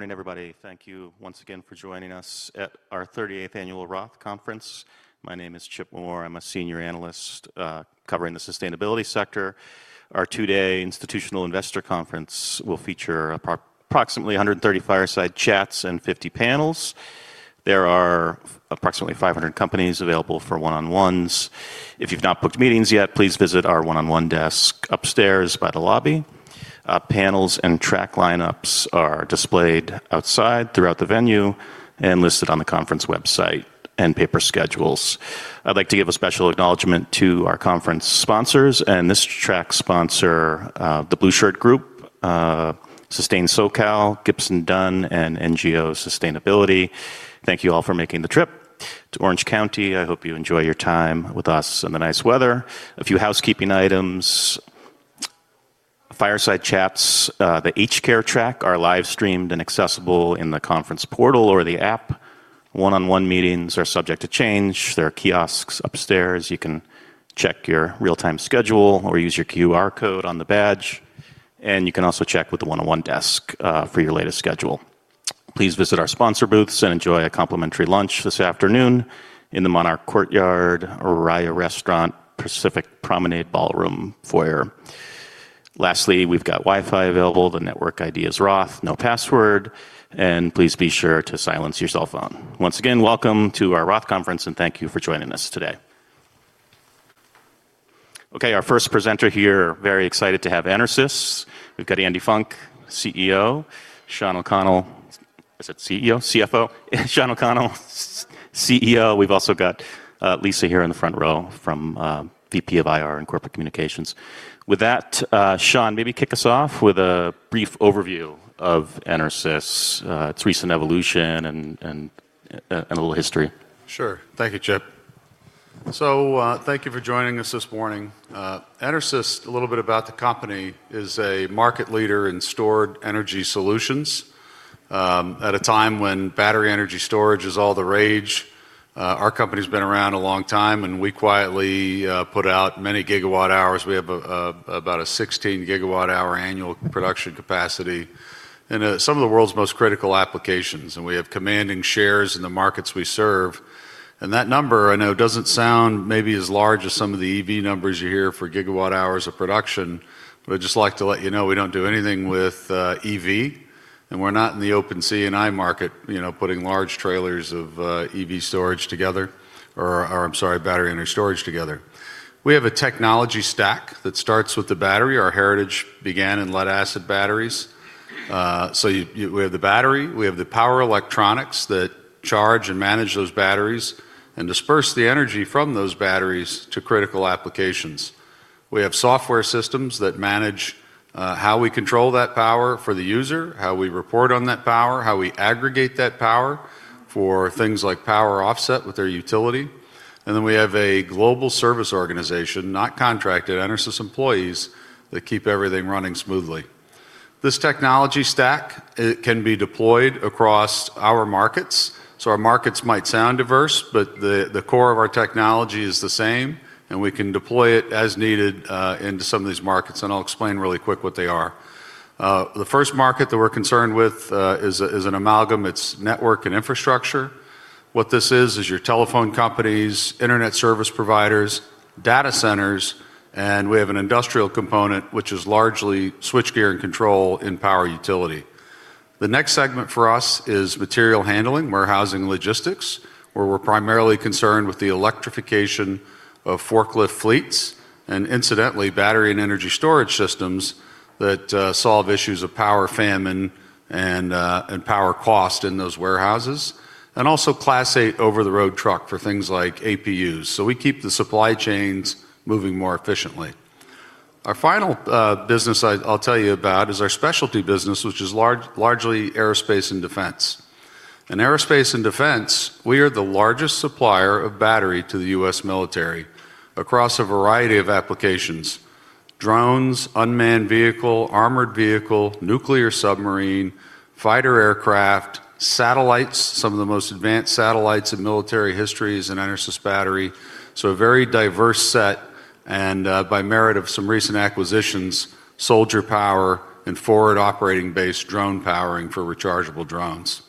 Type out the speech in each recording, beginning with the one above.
Morning, everybody. Thank you once again for joining us at our 38th Annual ROTH Conference. My name is Chip Moore. I'm a Senior Analyst covering the sustainability sector. Our two-day institutional investor conference will feature approximately 130 fireside chats and 50 panels. There are approximately 500 companies available for one-on-ones. If you've not booked meetings yet, please visit our one-on-one desk upstairs by the lobby. Panels and track lineups are displayed outside throughout the venue and listed on the conference website and paper schedules. I'd like to give a special acknowledgement to our conference sponsors and this track sponsor, The Blueshirt Group, Sustain SoCal, Gibson Dunn, and NGO Sustainability. Thank you all for making the trip to Orange County. I hope you enjoy your time with us and the nice weather. A few housekeeping items. Fireside chats, the Healthcare track are live-streamed and accessible in the conference portal or the app. One-on-one meetings are subject to change. There are kiosks upstairs. You can check your real-time schedule or use your QR code on the badge, and you can also check with the one-on-one desk, for your latest schedule. Please visit our sponsor booths and enjoy a complimentary lunch this afternoon in the Monarch Courtyard, Araya Restaurant, Pacific Promenade Ballroom Foyer. Lastly, we've got Wi-Fi available. The network ID is Roth, no password, and please be sure to silence your cell phone. Once again, welcome to our ROTH Conference, and thank you for joining us today. Okay, our first presenter here, very excited to have EnerSys. We've got Andrea Funk, CFO, Shawn O'Connell, CEO. We've also got Lisa here in the front row from Vice President of IR and Corporate Communications. With that, Shawn, maybe kick us off with a brief overview of EnerSys, its recent evolution and a little history. Sure. Thank you, Chip. Thank you for joining us this morning. EnerSys, a little bit about the company, is a market leader in stored energy solutions at a time when battery energy storage is all the rage. Our company's been around a long time, and we quietly put out many gigawatt-hours. We have about 16 GWh annual production capacity in some of the world's most critical applications, and we have commanding shares in the markets we serve. That number I know doesn't sound maybe as large as some of the EV numbers you hear for gigawatt hours of production, but I'd just like to let you know we don't do anything with EV, and we're not in the open C&I market, you know, putting large trailers of EV storage together or, I'm sorry, battery energy storage together. We have a technology stack that starts with the battery. Our heritage began in lead-acid batteries. We have the battery, we have the power electronics that charge and manage those batteries and disperse the energy from those batteries to critical applications. We have software systems that manage how we control that power for the user, how we report on that power, how we aggregate that power for things like power offset with their utility. We have a global service organization, not contracted EnerSys employees, that keep everything running smoothly. This technology stack, it can be deployed across our markets. Our markets might sound diverse, but the core of our technology is the same, and we can deploy it as needed into some of these markets, and I'll explain really quick what they are. The first market that we're concerned with is an amalgam. It's network and infrastructure. What this is is your telephone companies, internet service providers, data centers, and we have an industrial component, which is largely switchgear and control in power utility. The next segment for us is material handling, warehousing, logistics, where we're primarily concerned with the electrification of forklift fleets and incidentally, battery and energy storage systems that solve issues of power famine and power cost in those warehouses. Also Class 8 over-the-road truck for things like APUs. We keep the supply chains moving more efficiently. Our final business, I'll tell you about is our specialty business, which is largely aerospace and defense. In aerospace and defense, we are the largest supplier of battery to the U.S. military across a variety of applications, drones, unmanned vehicle, armored vehicle, nuclear submarine, fighter aircraft, satellites. Some of the most advanced satellites in military history is an EnerSys battery. A very diverse set and, by merit of some recent acquisitions, soldier power and forward operating base drone powering for rechargeable drones.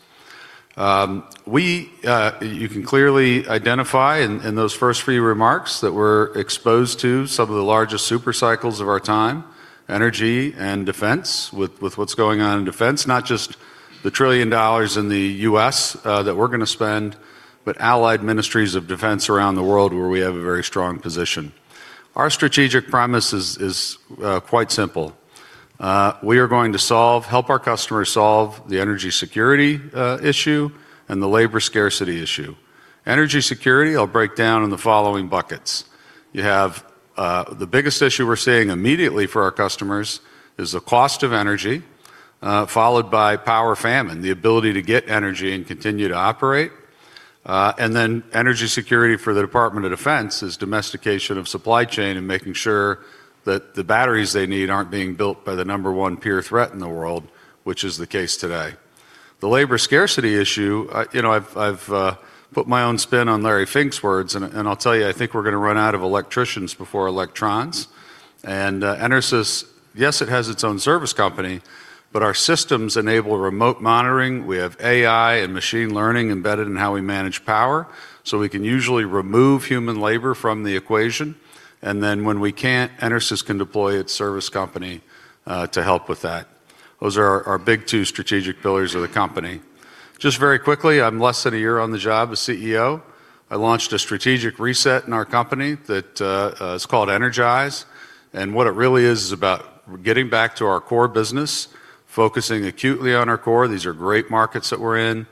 You can clearly identify in those first few remarks that we're exposed to some of the largest super cycles of our time, energy and defense with what's going on in defense, not just the $1 trillion in the U.S. that we're gonna spend, but allied ministries of defense around the world where we have a very strong position. Our strategic premise is quite simple. We are going to help our customers solve the energy security issue and the labor scarcity issue. Energy security, I'll break down in the following buckets. You have the biggest issue we're seeing immediately for our customers is the cost of energy, followed by power famine, the ability to get energy and continue to operate. Energy security for the Department of Defense is domestication of supply chain and making sure that the batteries they need aren't being built by the number one peer threat in the world, which is the case today. The labor scarcity issue, you know, I've put my own spin on Larry Fink's words, and I'll tell you, I think we're gonna run out of electricians before electrons. EnerSys, yes, it has its own service company, but our systems enable remote monitoring. We have AI and machine learning embedded in how we manage power, so we can usually remove human labor from the equation. When we can't, EnerSys can deploy its service company to help with that. Those are our big two strategic pillars of the company. Just very quickly, I'm less than a year on the job as CEO. I launched a strategic reset in our company that is called EnerGize, and what it really is is about getting back to our core business, focusing acutely on our core. These are great markets that we're in.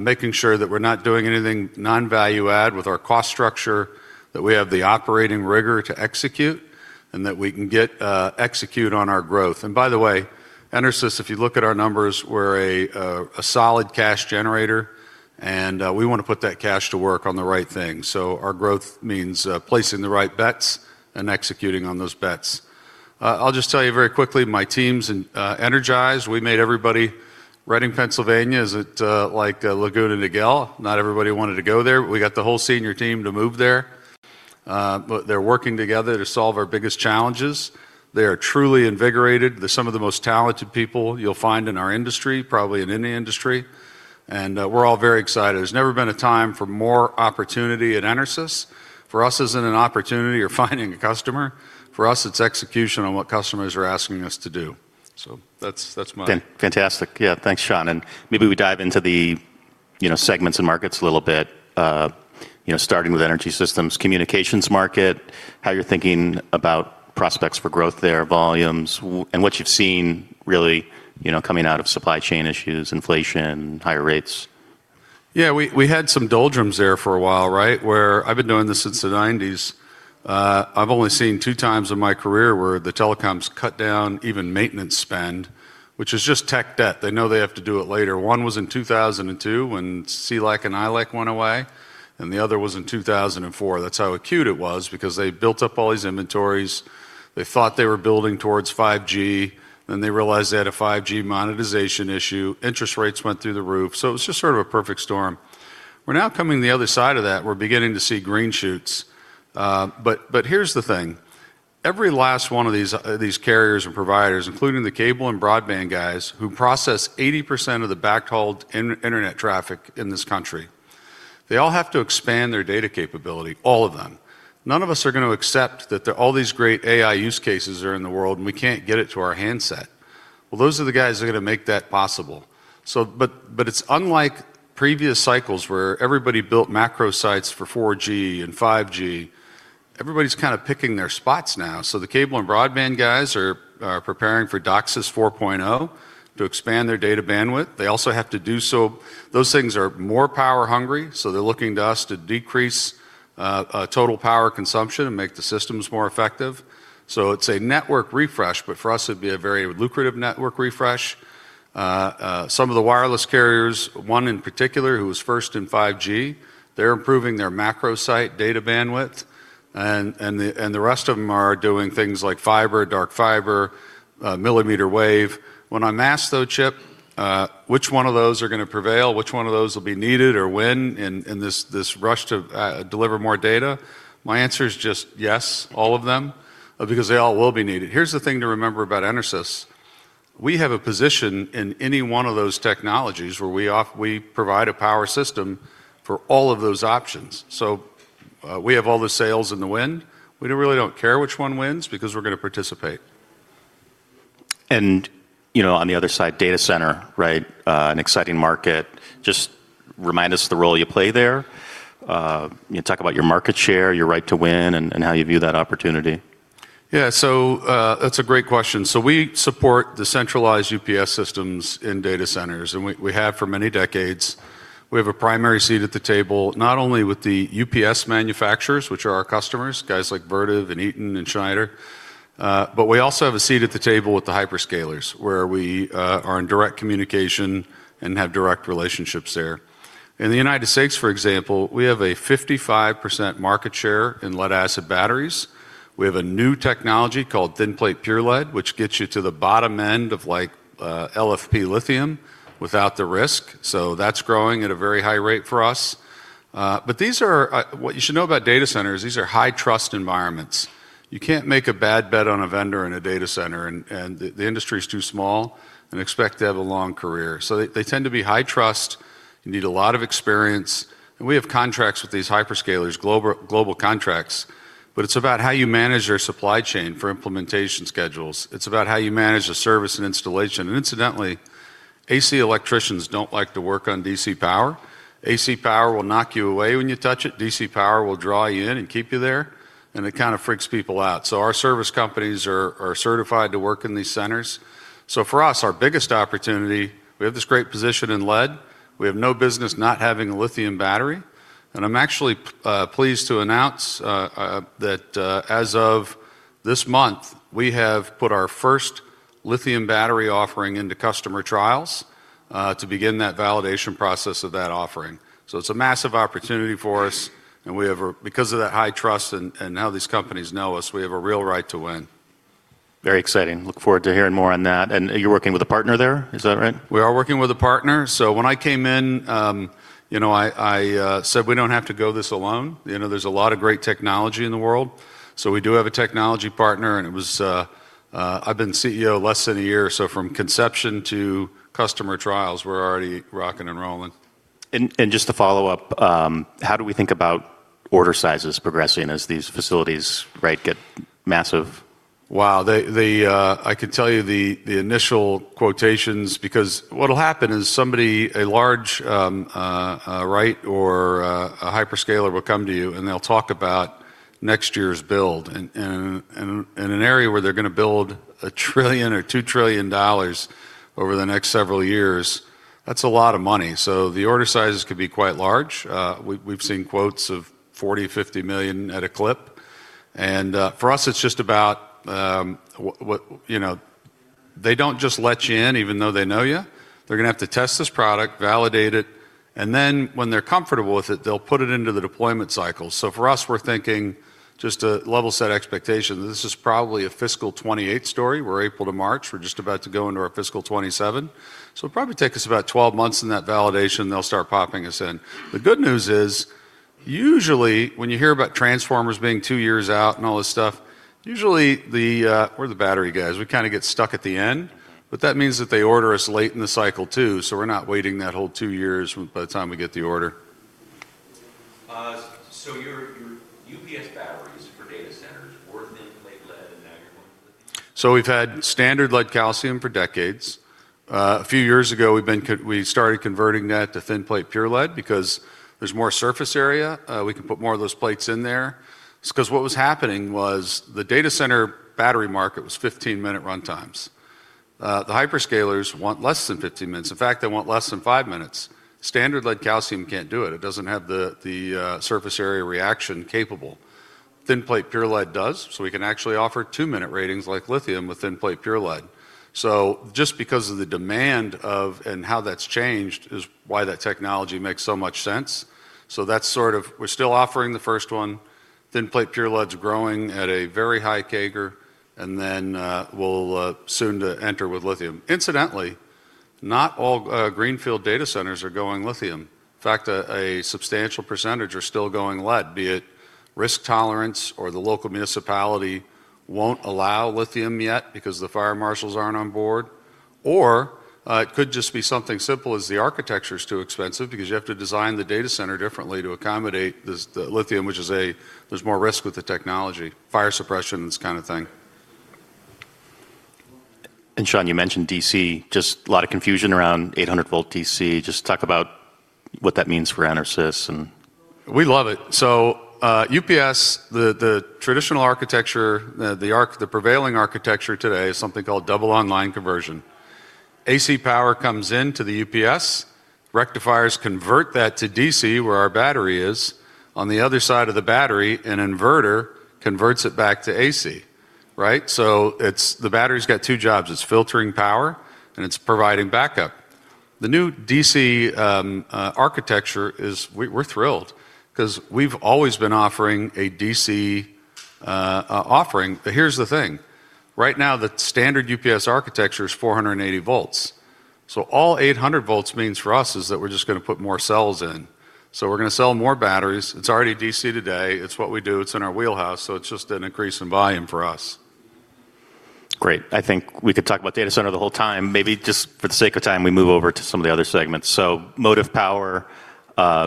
Making sure that we're not doing anything non-value add with our cost structure, that we have the operating rigor to execute, and that we can execute on our growth. By the way, EnerSys, if you look at our numbers, we're a solid cash generator, and we wanna put that cash to work on the right things. Our growth means placing the right bets and executing on those bets. I'll just tell you very quickly, my team's energized. We made everybody Reading, Pennsylvania is at Laguna Niguel. Not everybody wanted to go there. We got the whole senior team to move there. They're working together to solve our biggest challenges. They are truly invigorated. They're some of the most talented people you'll find in our industry, probably in any industry, and we're all very excited. There's never been a time for more opportunity at EnerSys. For us, this isn't an opportunity or finding a customer. For us, it's execution on what customers are asking us to do. That's my- Fantastic. Yeah. Thanks, Shawn. Maybe we dive into the, you know, segments and markets a little bit, you know, starting with energy systems, communications market, how you're thinking about prospects for growth there, volumes, and what you've seen really, you know, coming out of supply chain issues, inflation, higher rates. Yeah. We had some doldrums there for a while, right, where I've been doing this since the 1990s. I've only seen two times in my career where the telecoms cut down even maintenance spend, which is just tech debt. They know they have to do it later. One was in 2002 when CLEC and ILEC went away, and the other was in 2004. That's how acute it was because they built up all these inventories. They thought they were building towards 5G, then they realized they had a 5G monetization issue. Interest rates went through the roof. It was just sort of a perfect storm. We're now coming out the other side of that. We're beginning to see green shoots. But here's the thing. Every last one of these carriers and providers, including the cable and broadband guys who process 80% of the backhauled internet traffic in this country, they all have to expand their data capability, all of them. None of us are gonna accept that there are all these great AI use cases in the world, and we can't get it to our handset. Well, those are the guys that are gonna make that possible. It's unlike previous cycles where everybody built macro sites for 4G and 5G. Everybody's kind of picking their spots now. The cable and broadband guys are preparing for DOCSIS 4.0 to expand their data bandwidth. They also have to do so. Those things are more power hungry, so they're looking to us to decrease total power consumption and make the systems more effective. It's a network refresh, but for us, it'd be a very lucrative network refresh. Some of the wireless carriers, one in particular who was first in 5G, they're improving their macro site data bandwidth. The rest of them are doing things like fiber, dark fiber, millimeter wave. When I'm asked, though, Chip, which one of those are gonna prevail, which one of those will be needed or when in this rush to deliver more data, my answer is just yes, all of them, because they all will be needed. Here's the thing to remember about EnerSys. We have a position in any one of those technologies where we provide a power system for all of those options. We have all the sails in the wind. We really don't care which one wins because we're gonna participate. You know, on the other side, data center, right? An exciting market. Just remind us the role you play there. You know, talk about your market share, your right to win, and how you view that opportunity. Yeah. That's a great question. We support the centralized UPS systems in data centers, and we have for many decades. We have a primary seat at the table, not only with the UPS manufacturers, which are our customers, guys like Vertiv and Eaton and Schneider, but we also have a seat at the table with the hyperscalers, where we are in direct communication and have direct relationships there. In the United States, for example, we have a 55% market share in lead-acid batteries. We have a new technology called Thin Plate Pure Lead, which gets you to the bottom end of, like, LFP lithium without the risk. That's growing at a very high rate for us. But these are what you should know about data centers. These are high trust environments. You can't make a bad bet on a vendor in a data center, and the industry is too small and expect to have a long career. They tend to be high trust. You need a lot of experience. We have contracts with these hyperscalers, global contracts, but it's about how you manage their supply chain for implementation schedules. It's about how you manage the service and installation. Incidentally, AC electricians don't like to work on DC power. AC power will knock you away when you touch it. DC power will draw you in and keep you there, and it kind of freaks people out. Our service companies are certified to work in these centers. For us, our biggest opportunity, we have this great position in lead. We have no business not having a lithium battery. I'm actually pleased to announce that as of this month, we have put our first lithium battery offering into customer trials to begin that validation process of that offering. It's a massive opportunity for us. Because of that high trust and how these companies know us, we have a real right to win. Very exciting. Look forward to hearing more on that. You're working with a partner there, is that right? We are working with a partner. When I came in, you know, I said we don't have to go this alone. You know, there's a lot of great technology in the world. We do have a technology partner, and I've been CEO less than a year, so from conception to customer trials, we're already rocking and rolling. Just to follow up, how do we think about order sizes progressing as these facilities, right, get massive? Wow. I could tell you the initial quotations because what'll happen is somebody, a large buyer or a hyperscaler will come to you, and they'll talk about next year's build. In an area where they're gonna build $1 trillion or $2 trillion over the next several years, that's a lot of money. The order sizes could be quite large. We've seen quotes of $40 million, $50 million at a clip. For us, it's just about what. You know, they don't just let you in even though they know you. They're gonna have to test this product, validate it, and then when they're comfortable with it, they'll put it into the deployment cycle. We're thinking just to level set expectations, this is probably a fiscal 2028 story. We're April to March. We're just about to go into our fiscal 2027. It'll probably take us about 12 months in that validation. They'll start popping us in. The good news is, usually when you hear about transformers being 2 years out and all this stuff, usually the. We're the battery guys. We kinda get stuck at the end, but that means that they order us late in the cycle too, so we're not waiting that whole 2 years by the time we get the order. Your UPS batteries [no audio] for data centers were thin plate lead, and now you're going with lithium. We've had standard lead-calcium for decades. A few years ago, we started converting that to Thin Plate Pure Lead because there's more surface area. We can put more of those plates in there. 'Cause what was happening was the data center battery market was 15-minute run times. The hyperscalers want less than 15 minutes. In fact, they want less than 5 minutes. Standard lead-calcium can't do it. It doesn't have the surface area reaction capable. Thin Plate Pure Lead does, so we can actually offer 2-minute ratings like lithium with Thin Plate Pure Lead. Just because of the demand and how that's changed is why that technology makes so much sense. We're still offering the first one. Thin Plate Pure Lead's growing at a very high CAGR, and then we'll soon to enter with lithium. Incidentally, not all greenfield data centers are going lithium. In fact, a substantial percentage are still going lead, be it risk tolerance or the local municipality won't allow lithium yet because the fire marshals aren't on board or it could just be something simple as the architecture is too expensive because you have to design the data center differently to accommodate this, the lithium, which there's more risk with the technology, fire suppression, this kind of thing. Sean, you mentioned DC, just a lot of confusion around 800-volt DC. Just talk about what that means for EnerSys and We love it. UPS, the traditional architecture, the prevailing architecture today is something called double-conversion online. AC power comes into the UPS, rectifiers convert that to DC, where our battery is. On the other side of the battery, an inverter converts it back to AC, right? It's. The battery's got two jobs. It's filtering power, and it's providing backup. The new DC architecture is, we're thrilled 'cause we've always been offering a DC offering. But here's the thing. Right now, the standard UPS architecture is 480 volts. All 800 volts means for us is that we're just gonna put more cells in. We're gonna sell more batteries. It's already DC today. It's what we do. It's in our wheelhouse. It's just an increase in volume for us. Great. I think we could talk about data center the whole time. Maybe just for the sake of time, we move over to some of the other segments. Motive power,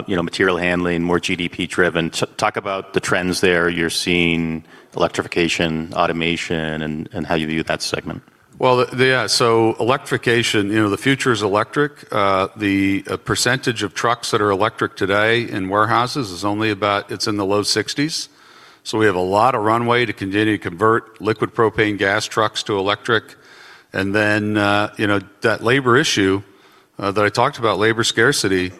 you know, material handling, more GDP-driven. Talk about the trends there you're seeing, electrification, automation, and how you view that segment. Well, yeah. Electrification, you know, the future is electric. The percentage of trucks that are electric today in warehouses is only in the low 60s%. We have a lot of runway to continue to convert liquid propane gas trucks to electric. You know, that labor issue that I talked about, labor scarcity,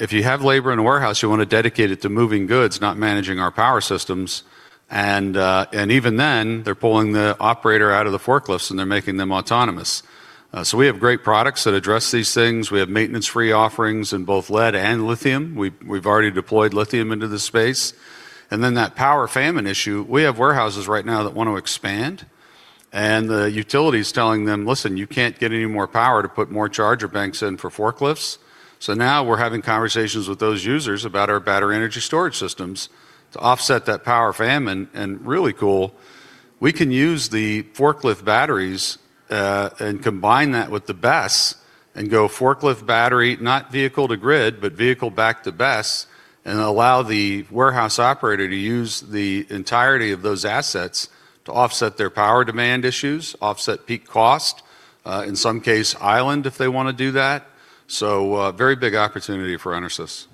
if you have labor in a warehouse, you wanna dedicate it to moving goods, not managing our power systems. Even then, they're pulling the operator out of the forklifts, and they're making them autonomous. We have great products that address these things. We have maintenance-free offerings in both lead and lithium. We've already deployed lithium into the space. That power famine issue, we have warehouses right now that want to expand, and the utility's telling them, "Listen, you can't get any more power to put more charger banks in for forklifts." Now we're having conversations with those users about our battery energy storage systems to offset that power famine. Really cool, we can use the forklift batteries and combine that with the BESS and go forklift battery, not vehicle-to-grid, but vehicle back to BESS and allow the warehouse operator to use the entirety of those assets to offset their power demand issues, offset peak cost, in some case island if they wanna do that. Very big opportunity for EnerSys.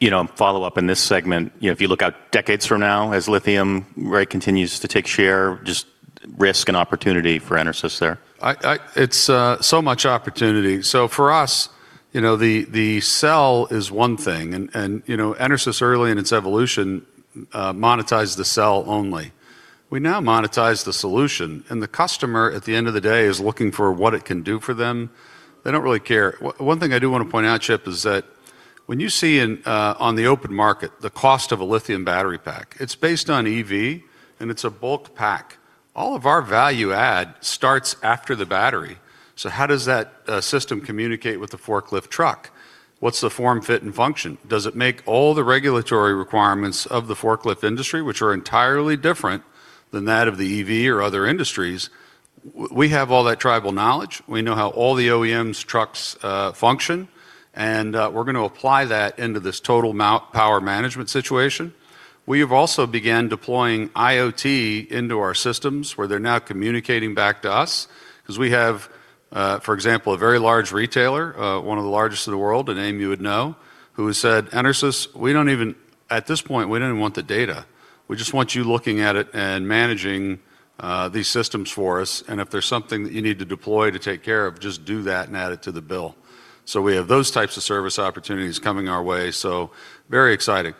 You know, follow up in this segment, you know, if you look out decades from now as lithium, right, continues to take share, just risk and opportunity for EnerSys there. It's so much opportunity. For us, you know, the cell is one thing. You know, EnerSys early in its evolution monetized the cell only. We now monetize the solution, and the customer at the end of the day is looking for what it can do for them. They don't really care. One thing I do wanna point out, Chip, is that when you see in on the open market, the cost of a lithium battery pack, it's based on EV, and it's a bulk pack. All of our value add starts after the battery. How does that system communicate with the forklift truck? What's the form, fit, and function? Does it make all the regulatory requirements of the forklift industry, which are entirely different than that of the EV or other industries? We have all that tribal knowledge. We know how all the OEM's trucks function, and we're gonna apply that into this total mount power management situation. We've also began deploying IoT into our systems, where they're now communicating back to us 'cause we have, for example, a very large retailer, one of the largest in the world, a name you would know, who has said, "EnerSys, we don't even want the data. We just want you looking at it and managing these systems for us, and if there's something that you need to deploy to take care of, just do that and add it to the bill." We have those types of service opportunities coming our way, very exciting.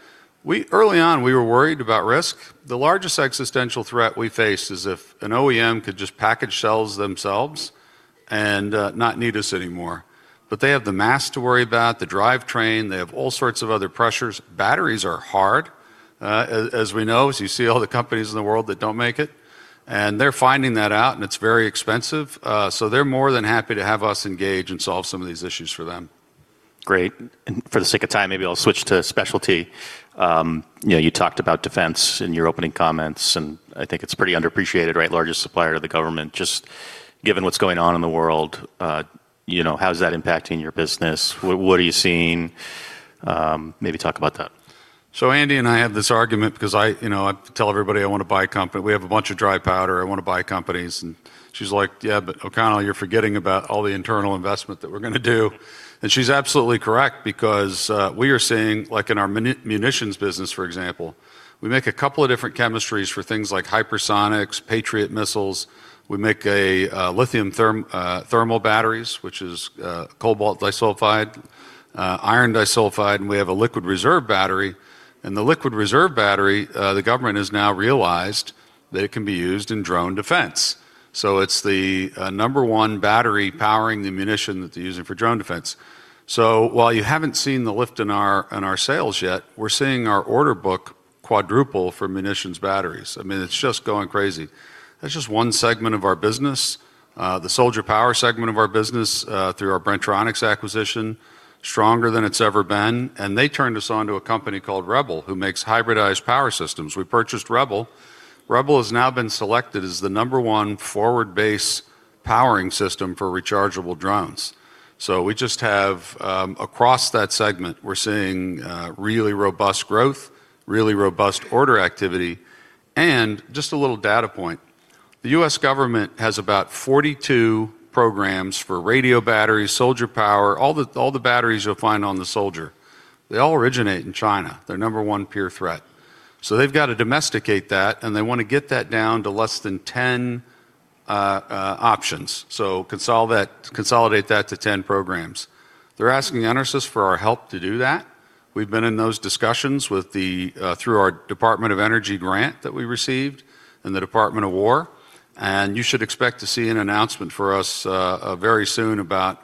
Early on, we were worried about risk. The largest existential threat we face is if an OEM could just package cells themselves and not need us anymore. They have the math to worry about, the drivetrain. They have all sorts of other pressures. Batteries are hard, as we know, as you see all the companies in the world that don't make it, and they're finding that out, and it's very expensive. They're more than happy to have us engage and solve some of these issues for them. Great. For the sake of time, maybe I'll switch to specialty. You know, you talked about defense in your opening comments, and I think it's pretty underappreciated, right? Largest supplier to the government. Just given what's going on in the world, you know, how is that impacting your business? What are you seeing? Maybe talk about that. Andy and I have this argument because I, you know, I tell everybody I wanna buy a company. We have a bunch of dry powder. I wanna buy companies, and she's like, "Yeah, but O'Connell, you're forgetting about all the internal investment that we're gonna do." She's absolutely correct because we are seeing, like in our munitions business, for example, we make a couple of different chemistries for things like hypersonics, Patriot missiles. We make a lithium thermal batteries, which is cobalt disulfide, iron disulfide, and we have a liquid reserve battery. The liquid reserve battery, the government has now realized that it can be used in drone defense. It's the number one battery powering the munition that they're using for drone defense. While you haven't seen the lift in our sales yet, we're seeing our order book quadruple for munitions batteries. I mean, it's just going crazy. That's just one segment of our business. The soldier power segment of our business, through our Bren-Tronics acquisition, stronger than it's ever been, and they turned us on to a company called Rebel, who makes hybridized power systems. We purchased Rebel. Rebel has now been selected as the number one forward base powering system for rechargeable drones. We just have, across that segment, we're seeing really robust growth, really robust order activity, and just a little data point. The U.S. government has about 42 programs for radio batteries, soldier power, all the batteries you'll find on the soldier. They all originate in China, their number one peer threat. They've got to domesticate that, and they wanna get that down to less than 10 options, so consolidate that to 10 programs. They're asking EnerSys for our help to do that. We've been in those discussions through our Department of Energy grant that we received and the Department of Defense, and you should expect to see an announcement for us very soon about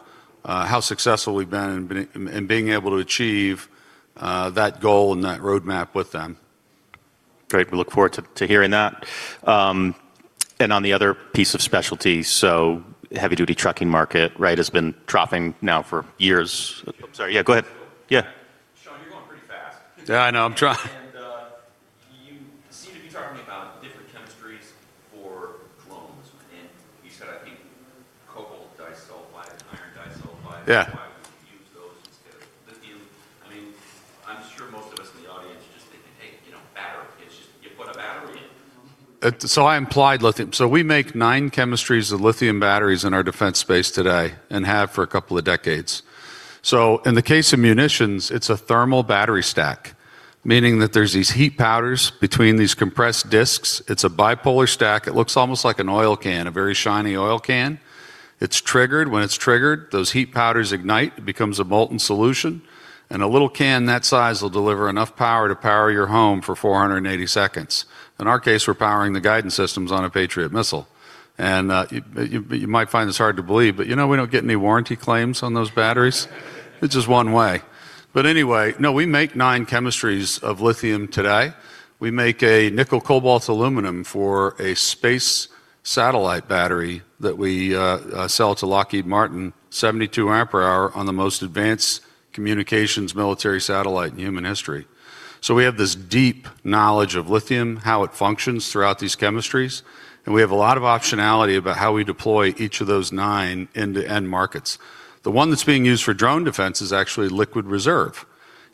how successful we've been in being able to achieve that goal and that roadmap with them. Great. We look forward to hearing that. On the other piece of specialty, so heavy-duty trucking market, right, has been dropping now for years. I'm sorry. Yeah, go ahead. Yeah. [no audio]Shawn, you're going pretty fast. Yeah, I know. You seem to be talking about different chemistries for drones. You said, I think, cobalt disulfide and iron disulfide. Yeah. Why would you use those instead of lithium? I mean, I'm sure most of us in the audience are just thinking, "Hey, you know, battery. It's just, you put a battery in. I implied lithium. We make nine chemistries of lithium batteries in our defense space today and have for a couple of decades. In the case of munitions, it's a thermal battery stack, meaning that there's these heat powders between these compressed disks. It's a bipolar stack. It looks almost like an oil can, a very shiny oil can. It's triggered. When it's triggered, those heat powders ignite. It becomes a molten solution. In a little can that size will deliver enough power to power your home for 480 seconds. In our case, we're powering the guidance systems on a Patriot missile. You might find this hard to believe, but you know, we don't get any warranty claims on those batteries. It's just one way. Anyway, we make nine chemistries of lithium today. We make a nickel cobalt aluminum for a space satellite battery that we sell to Lockheed Martin, 72 amp-hour on the most advanced communications military satellite in human history. We have this deep knowledge of lithium, how it functions throughout these chemistries, and we have a lot of optionality about how we deploy each of those nine into end markets. The one that's being used for drone defense is actually liquid reserve.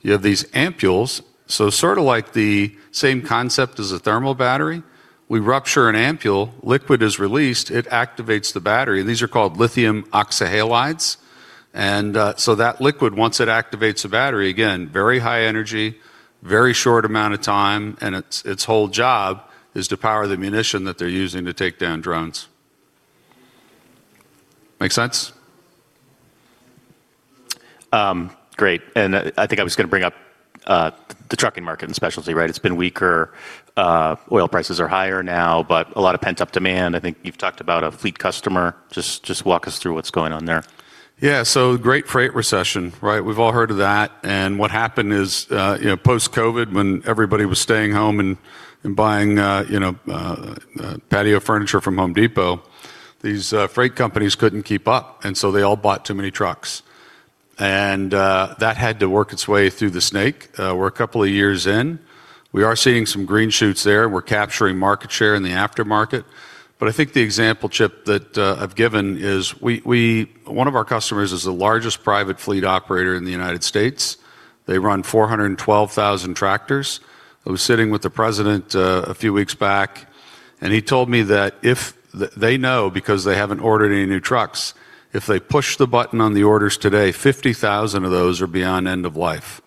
You have these ampoules, so sorta like the same concept as a thermal battery. We rupture an ampoule, liquid is released, it activates the battery. These are called lithium oxyhalides. That liquid, once it activates the battery, again, very high energy, very short amount of time, and its whole job is to power the munition that they're using to take down drones. Make sense? Great. I think I was gonna bring up the trucking market and specialty, right? It's been weaker. Oil prices are higher now, but a lot of pent-up demand. I think you've talked about a fleet customer. Just walk us through what's going on there. Yeah. Great freight recession, right? We've all heard of that. What happened is, you know, post-COVID, when everybody was staying home and buying, you know, patio furniture from Home Depot, these freight companies couldn't keep up, and so they all bought too many trucks. That had to work its way through the snake. We're a couple of years in. We are seeing some green shoots there. We're capturing market share in the aftermarket. I think the example, Chip, that I've given is one of our customers is the largest private fleet operator in the United States. They run 412,000 tractors. I was sitting with the president a few weeks back, and he told me that they know because they haven't ordered any new trucks. If they push the button on the orders today, 50,000 of those are beyond end of life.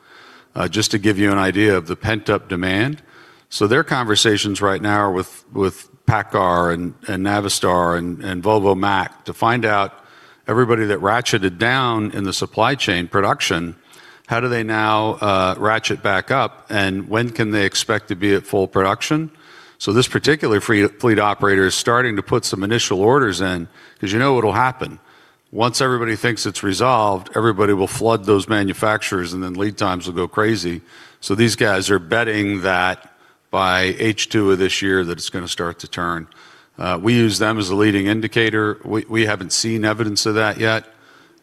Just to give you an idea of the pent-up demand. Their conversations right now are with PACCAR and Navistar and Volvo and Mack to find out everybody that ratcheted down in the supply chain production, how do they now ratchet back up and when can they expect to be at full production? This particular fleet operator is starting to put some initial orders in because you know what will happen. Once everybody thinks it's resolved, everybody will flood those manufacturers, and then lead times will go crazy. These guys are betting that by H2 of this year that it's gonna start to turn. We use them as a leading indicator. We haven't seen evidence of that yet.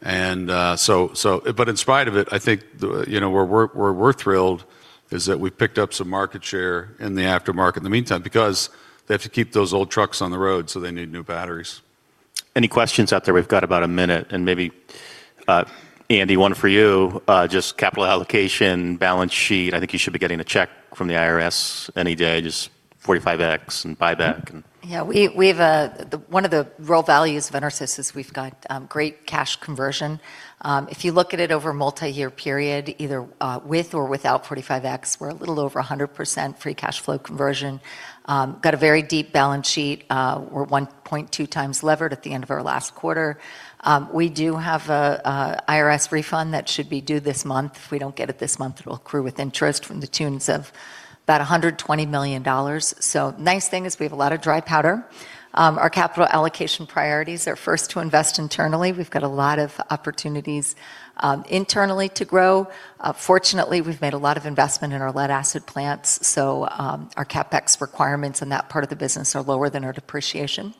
In spite of it, I think, you know, we're thrilled that we picked up some market share in the aftermarket in the meantime because they have to keep those old trucks on the road, so they need new batteries. Any questions out there? We've got about a minute and maybe, Andy, one for you. Just capital allocation, balance sheet. I think you should be getting a check from the IRS any day, just 45X and buyback and- Yeah, one of the real values of EnerSys is we've got great cash conversion. If you look at it over a multi-year period, either with or without 45X, we're a little over 100% free cash flow conversion. Got a very deep balance sheet. We're 1.2x levered at the end of our last quarter. We do have a IRS refund that should be due this month. If we don't get it this month, it'll accrue with interest to the tune of about $120 million. Nice thing is we have a lot of dry powder. Our capital allocation priorities are first to invest internally. We've got a lot of opportunities internally to grow. Fortunately, we've made a lot of investment in our lead acid plants, so our CapEx requirements in that part of the business are lower than our depreciation.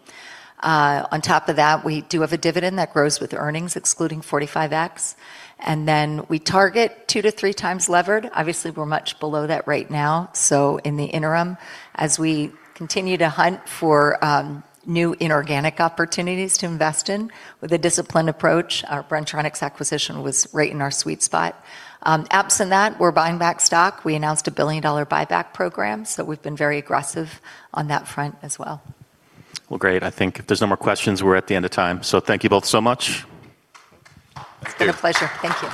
On top of that, we do have a dividend that grows with earnings, excluding 45X. We target 2-3 times levered. Obviously, we're much below that right now. In the interim, as we continue to hunt for new inorganic opportunities to invest in with a disciplined approach, our Bren-Tronics acquisition was right in our sweet spot. Absent that, we're buying back stock. We announced a $1 billion buyback program, so we've been very aggressive on that front as well. Well, great. I think if there's no more questions, we're at the end of time. Thank you both so much. It's been a pleasure. Thank you.